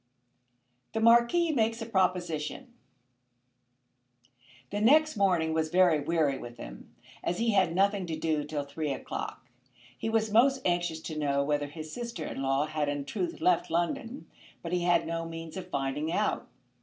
THE MARQUIS MAKES A PROPOSITION. The next morning was very weary with him, as he had nothing to do till three o'clock. He was most anxious to know whether his sister in law had in truth left London, but he had no means of finding out.